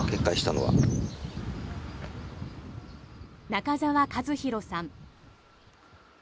中澤和弘さん。